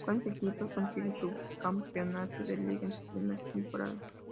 Con este equipo consigue un subcampeonato de Liga en su primera temporada.